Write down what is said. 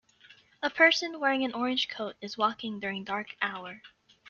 A person wearing an orange coat is walking during dark hour.